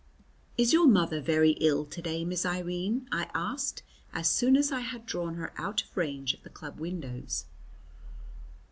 "Is your mother very ill to day, Miss Irene?" I asked, as soon as I had drawn her out of range of the club windows.